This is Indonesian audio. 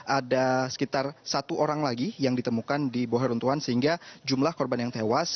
ada sekitar satu orang lagi yang ditemukan di bawah heruntuhan sehingga jumlah korban yang tewas